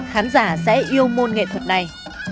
khán giả sẽ yêu môn nghệ thuật này